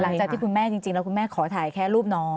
หลังจากที่คุณแม่จริงแล้วคุณแม่ขอถ่ายแค่รูปน้อง